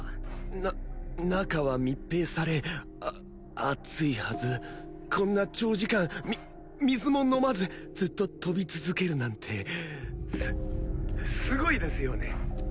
な中は密閉されあ暑いはずこんな長時間み水も飲まずずっと飛び続けるなんてすすごいですよね